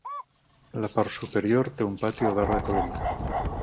La part superior té un pati obert de columnes.